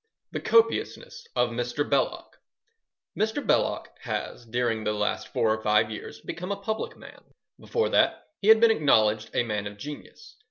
The Copiousness of Mr. Belloc Mr. Belloc has during the last four or five years become a public man. Before that he had been acknowledged a man of genius.